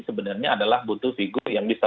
sebenarnya adalah butuh figur yang bisa